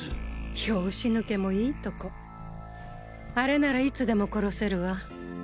拍子抜けもいいとこあれならいつでも殺せるわ。